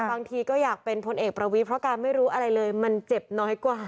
บางทีก็อยากเป็นพลเอกประวิทย์เพราะการไม่รู้อะไรเลยมันเจ็บน้อยกว่า